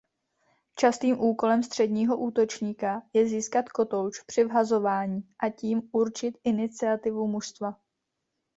Častým úkolem středního útočníka je získat kotouč při vhazování a tím určit iniciativu mužstva.